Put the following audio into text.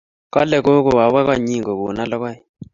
Kale kogo awo konyin kogono logoek.